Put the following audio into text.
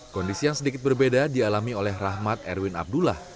kondisi yang sedikit berbeda dialami oleh rahmat erwin abdullah